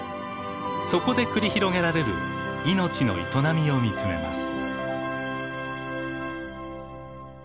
そこで繰り広げられる命の営みを見つめます。